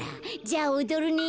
じゃあおどるね。